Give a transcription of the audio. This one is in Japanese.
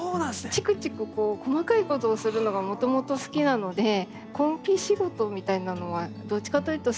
ちくちく細かいことをするのがもともと好きなので根気仕事みたいなのはどっちかというと好きで。